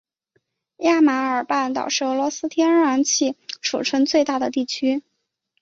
亚马尔半岛是俄罗斯天然气储量最大的地区。